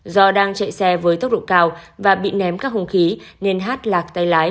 do đang chạy xe với tốc độ cao và bị ném các hùng khí nên hát lạc tay lái